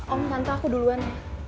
om tante aku duluan